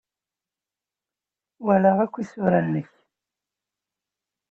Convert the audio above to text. Walaɣ akk isura-nnek.